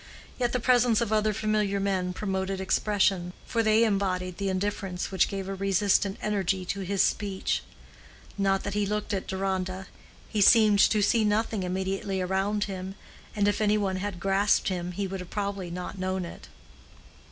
Yet the presence of those other familiar men promoted expression, for they embodied the indifference which gave a resistant energy to his speech. Not that he looked at Deronda: he seemed to see nothing immediately around him, and if any one had grasped him he would probably not have known it.